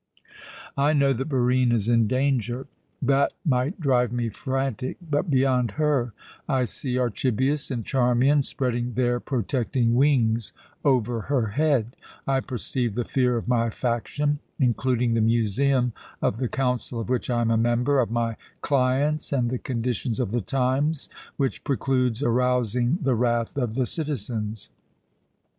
I know that Barine is in danger. That might drive me frantic; but beyond her I see Archibius and Charmian spreading their protecting wings over her head; I perceive the fear of my faction, including the museum, of the council of which I am a member, of my clients and the conditions of the times, which precludes arousing the wrath of the citizens.